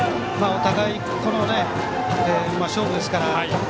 お互い、勝負ですから。